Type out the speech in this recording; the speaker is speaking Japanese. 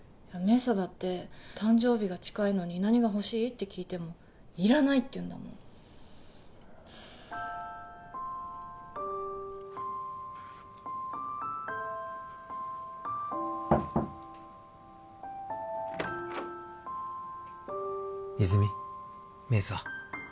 明紗だって誕生日が近いのに何が欲しい？って聞いてもいらないって言うんだもん泉実明紗